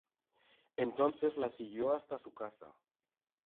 Entonces la siguió hasta su casa.